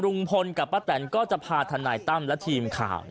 ลุงพลกับป้าแตนก็จะพาทนายตั้มและทีมข่าว